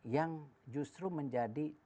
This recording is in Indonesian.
yang justru menjadi